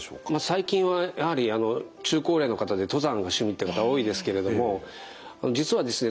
最近はやはり中高齢の方で登山が趣味って方多いですけれども実はですね